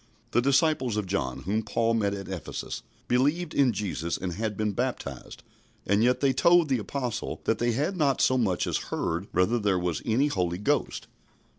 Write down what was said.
The disciples of John, whom Paul met at Ephesus, believed in Jesus and had been baptized, and yet they told the Apostle that they had not so much as heard whether there was any Holy Ghost.